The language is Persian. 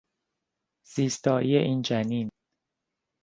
زیستایی این جنین